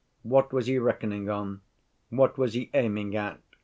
What was he reckoning on? What was he aiming at?